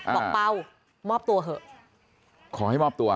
บอกเปล่ามอบตัวเถอะ